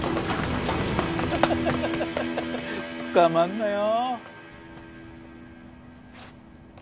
ハハハハハハ捕まるなよ。